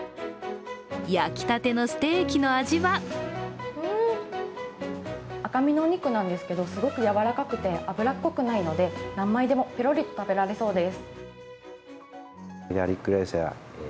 焼きたてのステーキの味は赤身のお肉なんですけどすごくやわらかくて脂っこくないので何枚でもぺろりと食べられそうです。